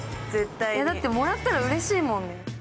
だって、もらったらうれしいもん！